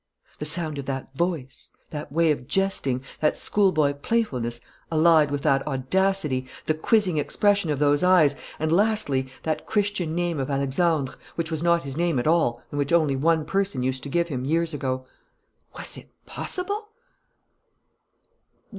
The sound of that voice, that way of jesting, that schoolboy playfulness allied with that audacity, the quizzing expression of those eyes, and lastly that Christian name of Alexandre, which was not his name at all and which only one person used to give him, years ago. Was it possible?